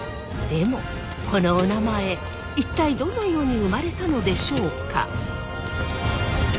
でもこのおなまえ一体どのように生まれたのでしょうか？